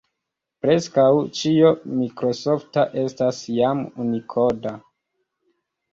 Preskaŭ ĉio mikrosofta estas jam unikoda.